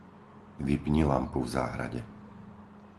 Vypni lampu v záhrade.